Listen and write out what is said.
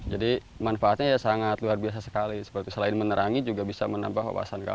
jadi manfaatnya ya sangat luar biasa sekali seperti selain menerangi juga bisa menambah wawasan